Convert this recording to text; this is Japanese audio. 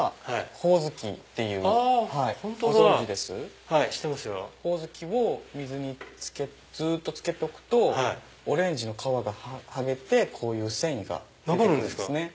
ホオズキを水にずっとつけとくとオレンジの皮がはげてこういう繊維が出て来るんですね。